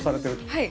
はい。